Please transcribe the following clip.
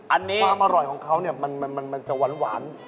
อันนี้ความอร่อยของเขาเนี่ยมันจะหวาน